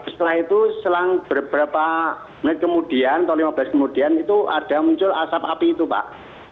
setelah itu selang beberapa menit kemudian atau lima belas kemudian itu ada muncul asap api itu pak